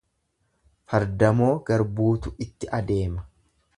Fardamoo garbuutu itti adeema.